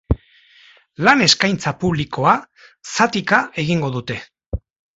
Lan-eskaintza publikoa zatika egingo dute.